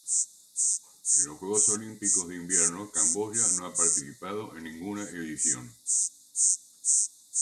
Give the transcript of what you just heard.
En los Juegos Olímpicos de Invierno Camboya no ha participado en ninguna edición.